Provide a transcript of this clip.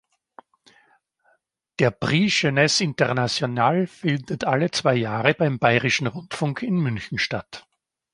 Der „Prix Jeunesse International“ findet alle zwei Jahre beim Bayerischen Rundfunk in München statt.